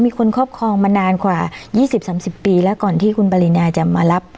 มีคนครอบครองมานานขวายี่สิบสามสิบปีแล้วก่อนที่คุณปริณาจะมารับ